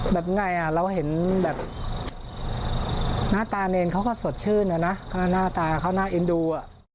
ไงเราเห็นแบบหน้าตาเนรเขาก็สดชื่นอะนะหน้าตาเขาน่าเอ็นดู